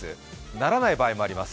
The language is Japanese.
ならない場合もあります。